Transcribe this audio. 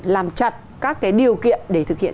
làm chặt các cái điều kiện để thực hiện